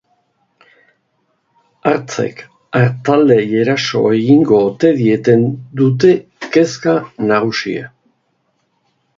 Hartzek artaldeei eraso egingo ote dieten dute kezka nagusia.